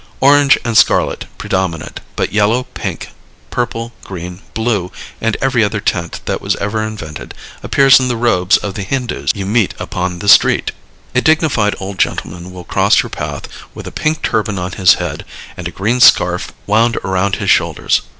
Orange and scarlet predominate, but yellow, pink, purple, green, blue and every other tint that was ever invented appears in the robes of the Hindus you meet upon the street. A dignified old gentleman will cross your path with a pink turban on his head and a green scarf wound around his shoulders.